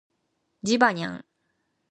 ジバニャン